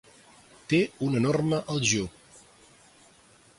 Té un enorme aljub.